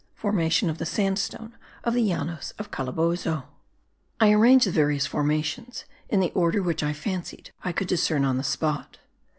FORMATION OF THE SANDSTONE OF THE LLANOS OF CALABOZO. I arrange the various formations in the order which I fancied I could discern on the spot.